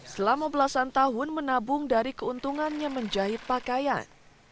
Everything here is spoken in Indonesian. selama belasan tahun menabung dari keuntungannya menjahit pakaian